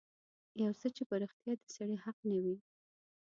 يو څه چې په رښتيا د سړي حق نه وي.